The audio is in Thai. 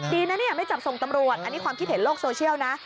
ดีนะเนี่ยไม่จับส่งตำรวจอันนี้ความคิดเห็นโลกโซเชียลนะ